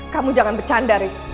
kamu jangan bercanda riz